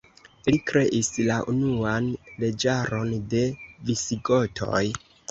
Li kreis la unuan leĝaron de Visigotoj.